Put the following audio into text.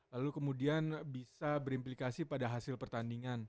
lalu kemudian bisa berimplikasi pada hasil pertandingan